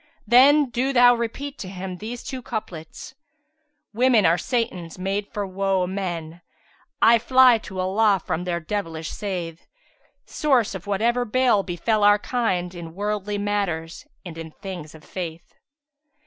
Then do thou repeat to him these two couplets, 'Women are Satans made for woe o' men; * I fly to Allah from their devilish scathe: Source of whatever bale befel our kind, * In wordly matters and in things of Faith.'"